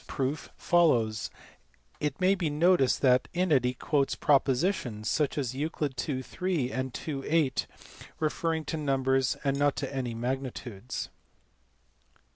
proof follows : it may be noticed that in it he quotes propo sitions, such as Euc. II. 3 and n. 8, as referring to numbers and not to any magnitudes.